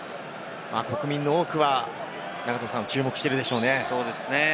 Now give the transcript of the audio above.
国民の多くは注目しているでしょうね。